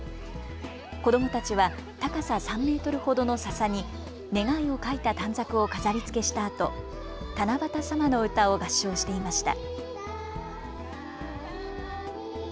子どもたちは高さ３メートルほどのささに願いを書いた短冊を飾りつけしたあと、たなばたさまの歌を合唱していました。